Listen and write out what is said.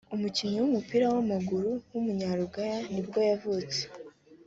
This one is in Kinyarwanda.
umukinnyi w’umupira w’amaguru w’umunya-Uruguay nibwo yavutse